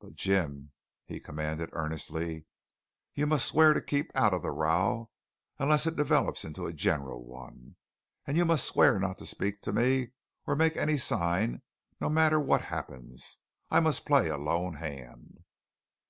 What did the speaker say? But Jim," he commanded earnestly, "you must swear to keep out of the row, unless it develops into a general one; and you must swear not to speak to me or make any sign no matter what happens. I must play a lone hand."